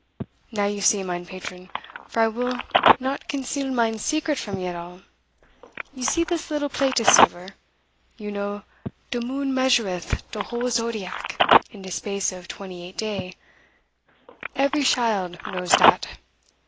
Now you see, mine patron for I will not conceal mine secret from you at all you see this little plate of silver; you know de moon measureth de whole zodiack in de space of twenty eight day every shild knows dat.